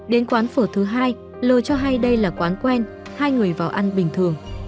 đến quán phở thứ hai l cho hay đây là quán quen hai người vào ăn bình thường